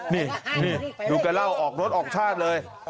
นี่ดูแกเล่าออกรถออกชาติเลย